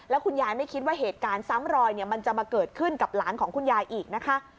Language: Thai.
แล้วคุณยายไม่คิดว่าเหตุการณ์ซ้ำรอยมันจะมาเกิดขึ้นกับหลานของคุณยายอีกนะคะ